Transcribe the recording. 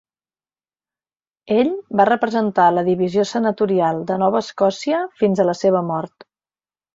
Ell va representar la divisió senatorial de Nova Escòcia fins a la seva mort.